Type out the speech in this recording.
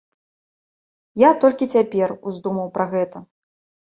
Я толькі цяпер уздумаў пра гэта.